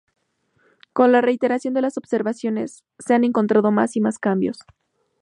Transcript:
Con la reiteración de las observaciones, se han encontrado más y más cambios.